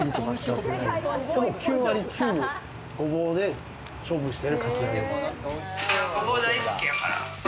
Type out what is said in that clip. ほぼ９割９分、ごぼうで勝負してるかき揚げ。